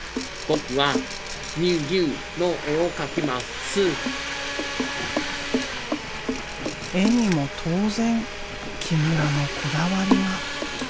絵にも当然木村のこだわりが。